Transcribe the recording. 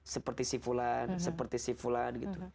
seperti si fulan seperti si fulan gitu